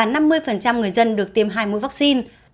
sáu mươi người dân được tiêm hai mũi vaccine